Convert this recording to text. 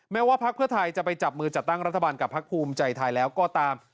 ว่าพักเพื่อไทยจะไปจับมือจัดตั้งรัฐบาลกับพักภูมิใจไทยแล้วก็ตาม